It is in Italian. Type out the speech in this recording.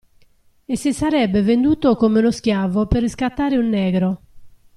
E si sarebbe venduto come uno schiavo per riscattare un negro…